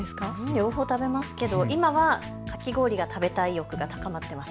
両方食べますが今はかき氷が食べたい欲が高まっています。